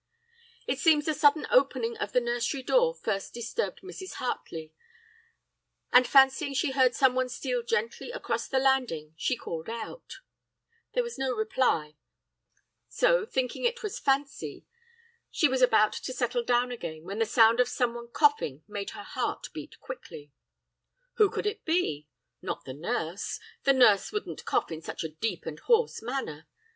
"It seems the sudden opening of the nursery door first disturbed Mrs. Hartley, and fancying she heard someone steal gently across the landing, she called out; there was no reply, so, thinking it was fancy, she was about to settle down again when the sound of some one coughing made her heart beat quickly. "Who could it be? Not the nurse! The nurse wouldn't cough in such a deep and hoarse manner!